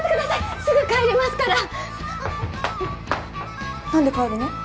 すぐ帰りますから何で帰るの？